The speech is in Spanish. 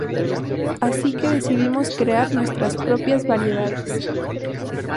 Así que decidimos crear nuestras propias variedades.